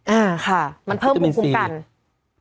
อ่าค่ะมันเพิ่มภูมิคุ้มกัน